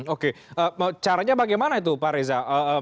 oke caranya bagaimana itu pak reza